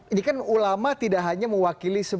ini kan ulama tidak hanya mewakili